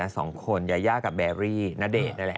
สองคนยายากับแบรี่ณเดชน์นั่นแหละ